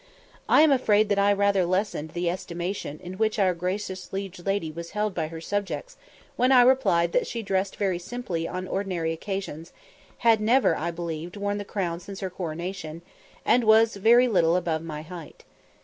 I am afraid that I rather lessened the estimation in which our gracious liege lady was held by her subjects when I replied that she dressed very simply on ordinary occasions; had never, I believed, worn the crown since her coronation, and was very little above my height.